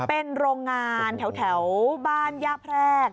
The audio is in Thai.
เป็นโรงงานแถวบ้านย่าแพรก